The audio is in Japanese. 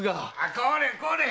これこれ！